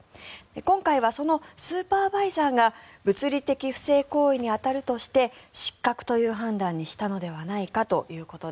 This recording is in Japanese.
今回はそのスーパーバイザーが物理的不正行為に当たるとして失格という判断にしたのではないかと。